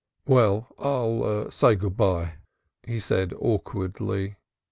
"Well, I'll say good bye," he said awkwardly.